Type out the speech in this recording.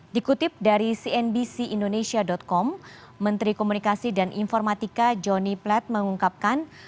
dikutip dari cnbc indonesia com menteri komunikasi dan informatika johnny plat mengungkapkan